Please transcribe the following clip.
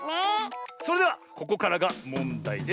それではここからがもんだいです。